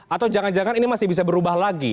atau jangan jangan ini masih bisa berubah lagi